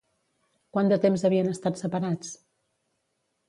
Quant de temps havien estat separats?